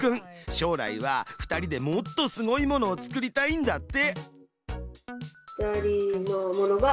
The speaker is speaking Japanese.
将来は２人でもっとすごいものを作りたいんだって。